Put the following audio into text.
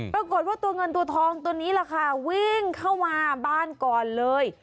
ปรากฏว่าตัวเงินตัวทองตัวนี้แหละค่ะวิ่งเข้ามาบ้านก่อนเลย